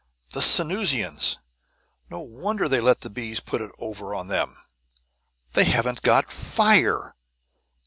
"The Sanusians no wonder they let the bees put it over on them!" "They haven't got FIRE!